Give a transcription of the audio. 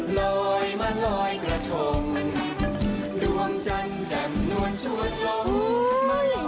ลอยเอาลอยกระทงลอยมาลอยกระทงดวงจันทร์จับนวดชวดล้ม